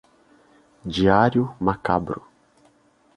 Diário macabro